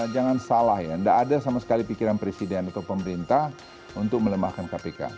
jangan salah ya tidak ada sama sekali pikiran presiden atau pemerintah untuk melemahkan kpk